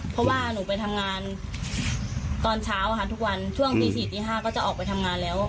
เพราะว่าหนูไปทำงานตอนเช้าค่ะทุกวันช่วงตี๔ตี๕ก็จะออกไปทำงานแล้ว